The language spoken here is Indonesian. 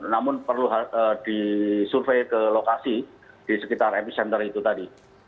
namun perlu disurvey ke lokasi di sekitar epicenter itu tadi